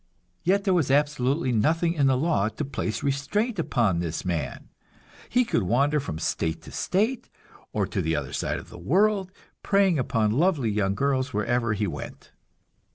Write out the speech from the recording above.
Yet there was absolutely nothing in the law to place restraint upon this man; he could wander from state to state, or to the other side of the world, preying upon lovely young girls wherever he went.